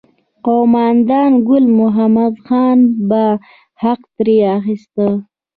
قوماندان ګل محمد خان به حق ترې اخیست.